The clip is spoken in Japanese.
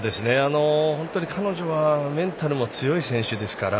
本当に彼女はメンタルも強い選手ですから